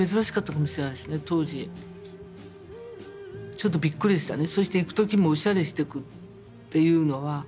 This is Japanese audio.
ちょっとびっくりでしたね。